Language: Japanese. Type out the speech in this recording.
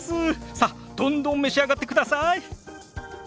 さっどんどん召し上がってください！